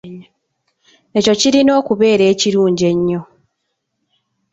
Ekyo kirina okubeera ekirungi ennyo.